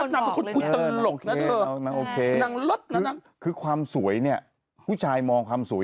น้ำส้มหรอน่ารักน้ำส้มหรอน่ารักน้ำส้มหรอน่ารัก